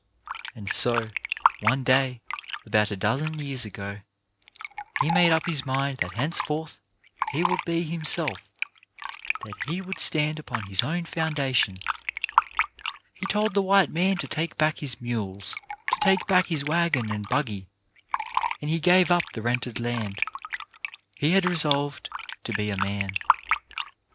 And so, one day about a dozen years ago, he made up his mind that henceforth he would be himself — that he would stand upon his own foundation. He told the white man to take back his mules, to take back his waggon and buggy ; and he gave up the rented land. He had resolved to be a man.